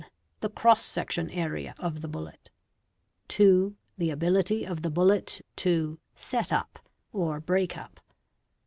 The cross section area of the bullet. 2. The ability of the bullet to set wp or break up.